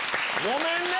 ごめんね！